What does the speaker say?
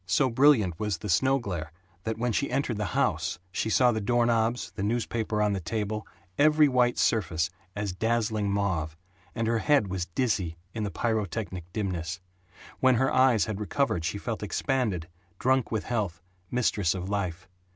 So brilliant was the snow glare that when she entered the house she saw the door knobs, the newspaper on the table, every white surface as dazzling mauve, and her head was dizzy in the pyrotechnic dimness. When her eyes had recovered she felt expanded, drunk with health, mistress of life.